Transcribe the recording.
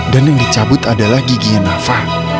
dan yang dicabut adalah giginya nafa